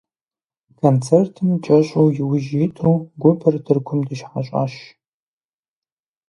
Концертым кӀэщӀу иужь иту, гупыр Тыркум дыщыхьэщӀащ.